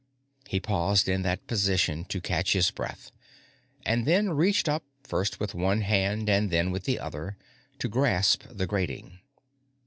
He paused in that position to catch his breath, and then reached up, first with one hand and then with the other, to grasp the grating.